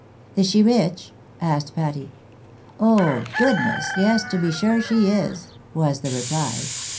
" Is she rich ?" asked Patty. " Oh, goodness ! yes, to be sure she is," was the reply.